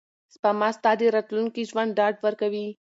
سپما ستا د راتلونکي ژوند ډاډ ورکوي.